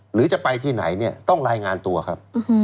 หรือจะไปที่ไหนเนี่ยต้องรายงานตัวครับ